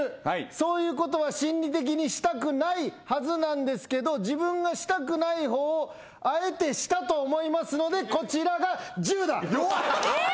そういうことは心理的にしたくないはずなんですけど自分がしたくない方をあえてしたと思いますのでこちらが１０だ！え！